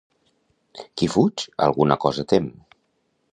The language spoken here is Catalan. Qui fuig alguna cosa tem.